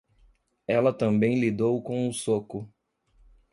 Ela também lidou com o soco.